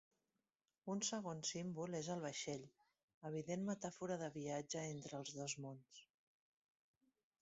Un segon símbol és el vaixell, evident metàfora de viatge entre els dos mons.